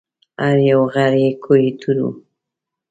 هر یو غر یې کوه طور و